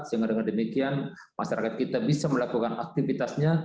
sehingga dengan demikian masyarakat kita bisa melakukan aktivitasnya